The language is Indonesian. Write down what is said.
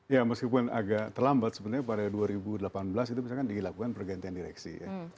ya meskipun agak terlambat sebenarnya pada dua ribu delapan belas itu misalkan dilakukan pergantian direksi ya